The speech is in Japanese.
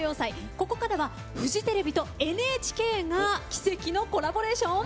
ここからはフジテレビとＮＨＫが奇跡のコラボレーション？